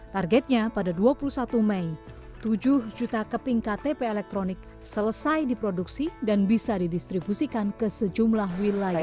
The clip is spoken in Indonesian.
targetnya pada dua puluh satu mei tujuh juta keping ktp elektronik selesai diproduksi dan bisa didistribusikan ke sejumlah wilayah